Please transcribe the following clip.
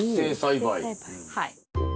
はい。